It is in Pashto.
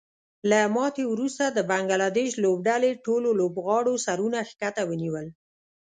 له ماتې وروسته د بنګلادیش لوبډلې ټولو لوبغاړو سرونه ښکته ونیول